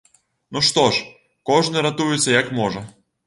Ну што ж, кожны ратуецца як можа.